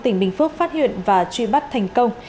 tỉnh bình phước phát hiện và truy bắt thành công